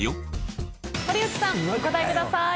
堀内さんお答えください。